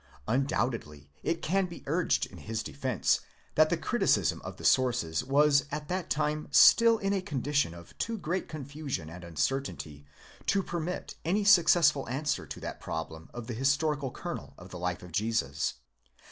Undoubtedly it can be urged in his defence that the criticism of 'tthe sources was at that time still in a condition of too great confusion and uncertainty to permit any successful answer to that problem of the historical kernel of the life of Jesus.